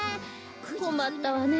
こまったわね。